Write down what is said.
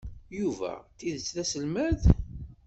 Yuba d tidet d aselmad?